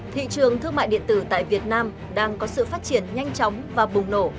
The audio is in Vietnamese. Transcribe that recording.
thị trường thương mại điện tử tại việt nam đang có sự phát triển nhanh chóng và bùng nổ